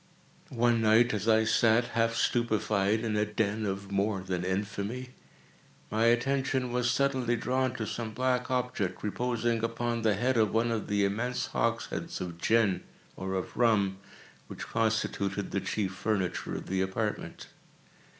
One night as I sat, half stupefied, in a den of more than infamy, my attention was suddenly drawn to some black object, reposing upon the head of one of the immense hogsheads of gin, or of rum, which constituted the chief furniture of the apartment.